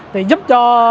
thì giúp cho